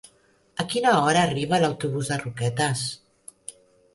A quina hora arriba l'autobús de Roquetes?